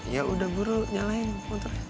ya udah buru nyalain